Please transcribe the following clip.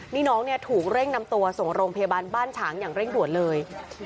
นี่น้องเนี่ยถูกเร่งนำตัวส่งโรงพยาบาลบ้านฉางอย่างเร่งด่วนเลย